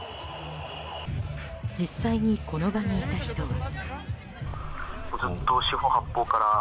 実際にこの場にいた人は。